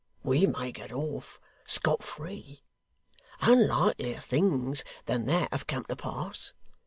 We may get off scot free. Unlikelier things than that have come to pass.